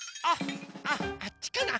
あっあっちかな。